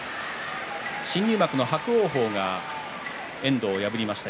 新入幕の伯桜鵬が遠藤を破りました。